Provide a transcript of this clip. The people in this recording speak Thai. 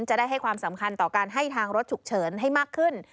จะได้ให้ความสำคัญต่อการให้ทางรถฉุกเฉินให้มากขึ้น